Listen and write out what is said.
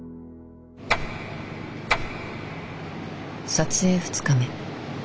撮影２日目。